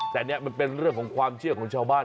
แต่นี่มันเป็นเรื่องของความเชื่อของชาวบ้าน